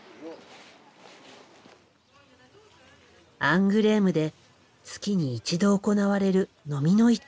アングレームで月に一度行われるのみの市。